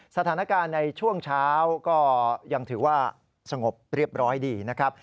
สถานการณ์ในช่วงเช้าก็ยังถือว่าสงบเรียบร้อยดีนะครับ